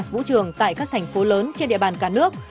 vũ trường tại các thành phố lớn trên địa bàn cả nước